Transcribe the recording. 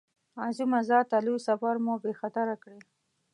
عظیمه ذاته لوی سفر مو بې خطره کړې.